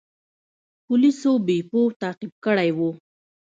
پولیسو بیپو تعقیب کړی و.